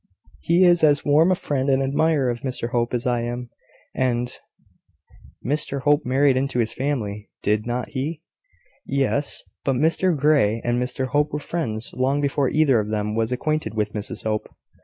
"He is as warm a friend and admirer of Mr Hope as I am; and " "Mr Hope married into his family, did not he?" "Yes; but Mr Grey and Mr Hope were friends long before either of them was acquainted with Mrs Hope.